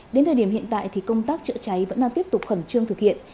đến thời điểm hiện tại thì công tác chữa cháy vẫn đang tiếp tục khẩn trương thực hiện